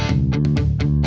aku mau ke sana